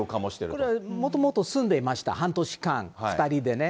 これはもともと住んでいました、半年間、２人でね。